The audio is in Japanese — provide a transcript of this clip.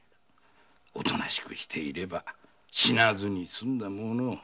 おとなしくしていれば死なずにすんだものを。